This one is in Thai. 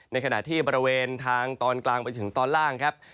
ในขณะที่บริเวณทางตอนกลางไปถึงตอนล่างครับ